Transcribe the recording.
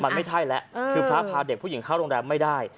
มันไม่ใช่แล้วคือพระพาเด็กผู้หญิงเข้าโรงแรมไม่ได้